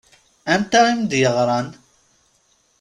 Anta i m-d-yeɣṛan?